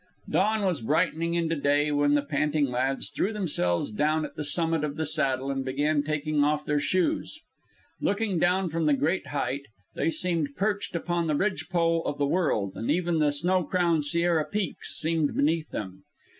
Dawn was brightening into day when the panting lads threw themselves down at the summit of the Saddle and began taking off their shoes. Looking down from the great height, they seemed perched upon the ridgepole of the world, and even the snow crowned Sierra peaks seemed beneath them.